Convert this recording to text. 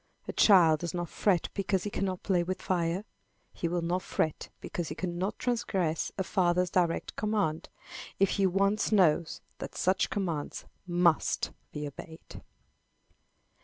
A child does not fret because he cannot play with fire. He will not fret because he cannot transgress a father's direct command, if he once knows that such commands must be obeyed.